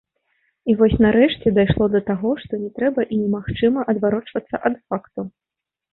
І вось нарэшце дайшло да таго, што не трэба і немагчыма адварочвацца ад факту.